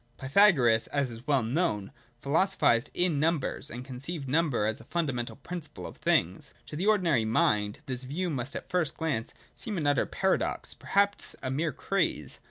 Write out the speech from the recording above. (3) Pythagoras, as is well known, philosophised in num bers, and conceived number as the fijndamental principle of things. To the ordinary mind this view must at first glance seem an utter paradox, perhaps a mere craze.